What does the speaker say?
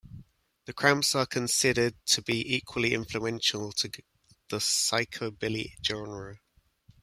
The Cramps are considered to be equally influential to the psychobilly genre.